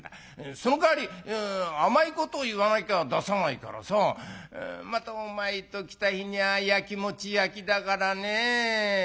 そのかわり甘いこと言わなきゃ出さないからさまたお前ときた日にゃあやきもちやきだからねぇ。